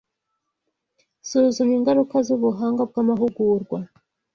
Suzuma ingaruka zubuhanga bw’amahugurwa